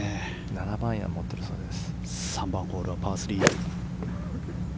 ７番アイアンを持っているそうです。